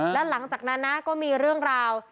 แล้วหลังจากนั้นนะก็มีเรื่องราว